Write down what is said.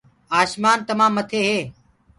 آشمآن تمآ مٿي هي۔